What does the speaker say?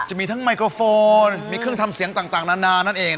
จะมีทั้งไมโครโฟนมีเครื่องทำเสียงต่างนานานั่นเอง